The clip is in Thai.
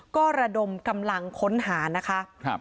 ก็ระดมกำลังค้นหานะคะ